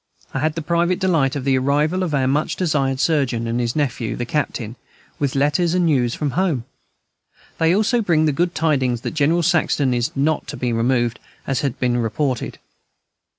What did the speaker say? I had the private delight of the arrival of our much desired surgeon and his nephew, the captain, with letters and news from home. They also bring the good tidings that General Saxton is not to be removed, as had been reported.